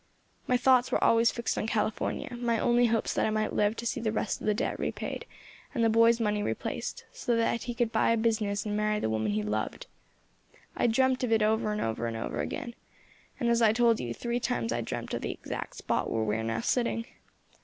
My thoughts were always fixed on California, my only hopes that I might live to see the rest of the debt repaid, and the boy's money replaced, so that he could buy a business and marry the woman he loved. I dreamt of it over and over again, and, as I told you, three times I dreamt of the exact spot where we are now sitting.